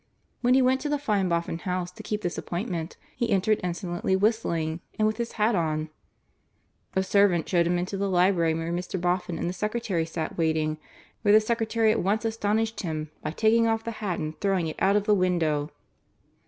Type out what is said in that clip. When he went to the fine Boffin house to keep this appointment he entered insolently, whistling and with his hat on. A servant showed him into the library where Mr. Boffin and the secretary sat waiting, and where the secretary at once astonished him by taking off the hat and throwing it out of the window.